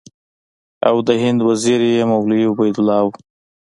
او د هند وزیر یې مولوي عبیدالله و.